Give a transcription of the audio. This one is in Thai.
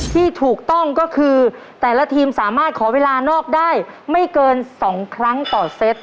ที่ถูกต้องก็คือแต่ละทีมสามารถขอเวลานอกได้ไม่เกิน๒ครั้งต่อเซต